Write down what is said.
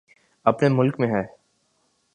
اپنے ملک میں ہے۔